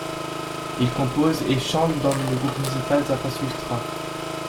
Il compose et chante dans le groupe musical Zapa-Sutra.